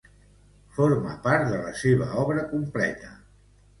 Forma part de la seua obra completa.